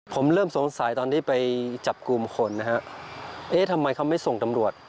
ผมเริ่มสงสัยตอนที่ไปจับกลุ่มคนนะฮะเอ๊ะทำไมเขาไม่ส่งตำรวจ